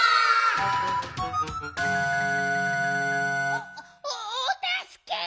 おおたすけ。